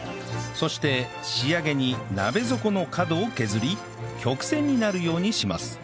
そして仕上げに鍋底の角を削り曲線になるようにします